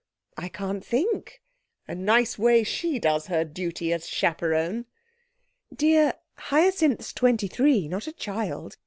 'I can't think.' 'A nice way she does her duty as chaperone!' 'Dear, Hyacinth's twenty three, not a child.